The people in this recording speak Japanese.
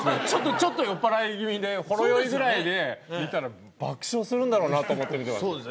ちょっと酔っ払い気味でほろ酔いぐらいで見たら爆笑するんだろうなと思って見てました。